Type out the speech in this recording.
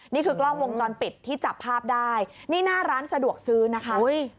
นี่คือกล้องวงจรปิดที่จับภาพได้นี่หน้าร้านสะดวกซื้อนะคะ